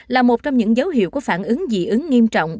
là một trong những dấu hiệu của phản ứng dị ứng nghiêm trọng